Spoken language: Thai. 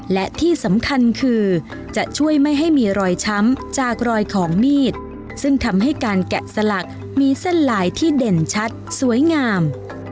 และที่สำคัญคือจะช่วยไม่ให้มีรอยช้ำจากรอยของมีดซึ่งทำให้การแกะสลักมีเส้นลายที่เด่นชัดสวยงาม